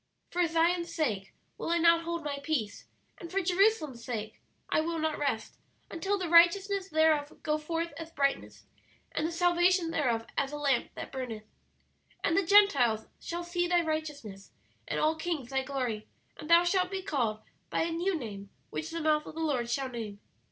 "'For Zion's sake will I not hold My peace, and for Jerusalem's sake I will not rest, until the righteousness thereof go forth as brightness, and the salvation thereof as a lamp that burneth. "'And the Gentiles shall see thy righteousness, and all kings thy glory; and thou shalt be called by a new name which the mouth of the Lord shall name.